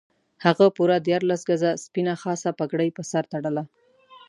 هغه پوره دیارلس ګزه سپینه خاصه پګړۍ پر سر تړله.